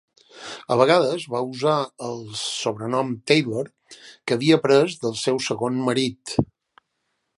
A vegades va usar el sobrenom Taylor, que havia pres del seu segon marit.